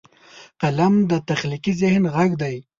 قلم د تخلیقي ذهن غږ دی